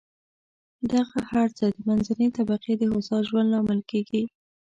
دغه هر څه د منځنۍ طبقې د هوسا ژوند لامل کېږي.